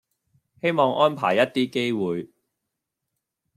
希望安排一啲機會